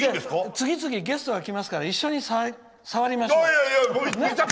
次々にゲストが来ますから一緒に騒ぎましょう。